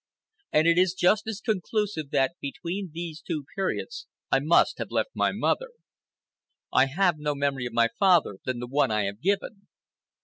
And it is just as conclusive that between these two periods I must have left my mother. I have no memory of my father than the one I have given.